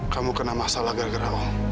kamu kena masalah gara gara om